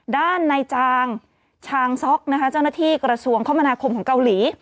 ด้านในจางชางซ็อกนะคะเจ้าหน้าที่กระทรวงคมนาคมของเกาหลี